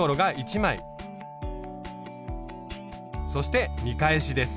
そして見返しです。